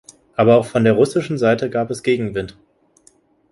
Aber auch von der russischen Seite gab es Gegenwind.